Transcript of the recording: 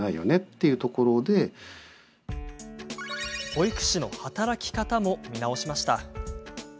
保育士の働き方も見直しました。